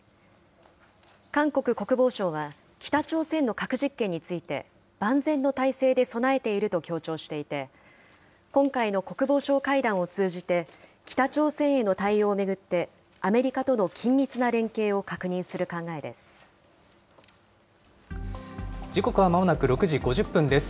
韓国国防省は、北朝鮮の核実験について、万全の態勢で備えていると強調していて、今回の国防相会談を通じて、北朝鮮への対応を巡ってアメリカとの緊密な連携を確認する考えで時刻はまもなく６時５０分です。